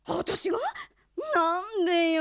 なんでよ。